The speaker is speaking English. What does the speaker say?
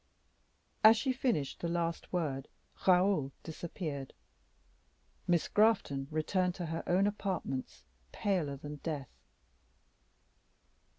As she finished the last word, Raoul disappeared. Miss Grafton returned to her own apartments, paler than death.